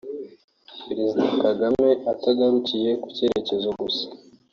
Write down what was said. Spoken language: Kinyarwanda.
Perezida Kagame atagarukiye ku cyerekezo gusa